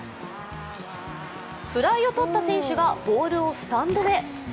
フライをとった選手がボールをスタンドへ。